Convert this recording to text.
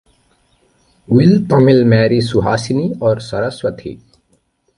Will Tamil marry Suhasini or Saraswathi?